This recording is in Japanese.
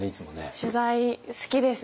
取材好きですね。